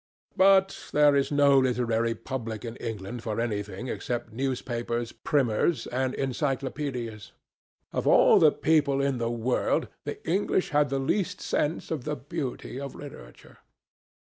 But there is no literary public in England for anything except newspapers, primers, and encyclopaedias. Of all people in the world the English have the least sense of the beauty of literature."